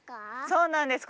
そうなんです。